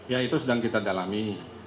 ya itu sedang kita dalami